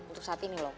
untuk saat ini loh